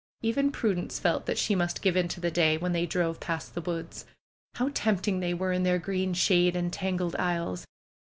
Even Prudence felt that she must give into the day when they drove past the woods. How tempting they were in their green shade and tangled aisles